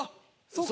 そう。